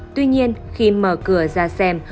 tuy nhiên khi mở cửa ra xem